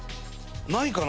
ないかな？